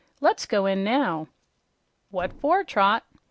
"Let's go in now." "What for, Trot?"